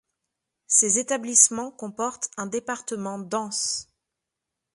Ces établissements comportent un département danse.